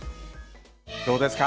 どうですか？